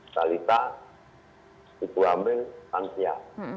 dalita ibu amri dan tia